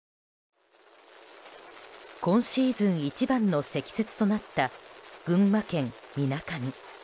今シーズン一番の積雪となった群馬県みなかみ。